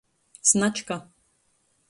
Značka.